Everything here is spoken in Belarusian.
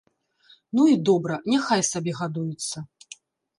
Ну, і добра, няхай сабе гадуецца!